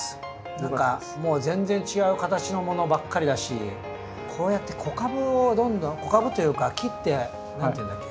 何かもう全然違う形のものばっかりだしこうやって子株をどんどん子株っていうか切って何て言うんだっけ？